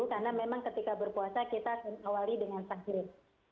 karena memang ketika berpuasa kita akan awali dengan sahur